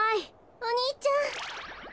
お兄ちゃん。